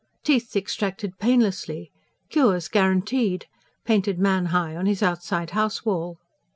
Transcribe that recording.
"Teeth extracted painlessly!" "Cures guaranteed!" painted man high on his outside house wall.